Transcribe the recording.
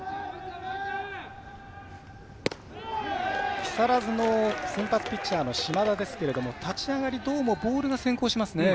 木更津の先発ピッチャーの島田ですけれども、立ち上がりどうもボールが先行しますね。